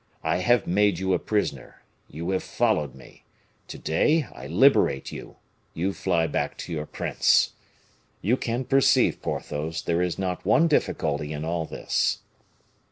I have made you a prisoner, you have followed me, to day I liberate you, you fly back to your prince. You can perceive, Porthos, there is not one difficulty in all this."